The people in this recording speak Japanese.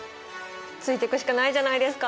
ついていくしかないじゃないですか。